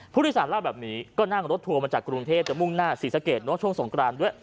ผู้โดยสารเล่าแบบนี้ก็นั่งรถทัวร์มาจากกรุงเทพจะมุ่งหน้าศรีสะเกดช่วงสงกรานด้วย